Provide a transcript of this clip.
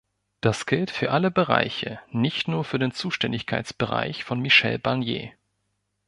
Das gilt für alle Bereiche, nicht nur für den Zuständigkeitsbereich von Michel Barnier.